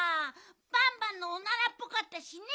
バンバンのオナラっぽかったしね！